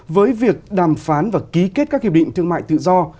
với việc đàm phán và ký kết các hiệp định thương mại tự do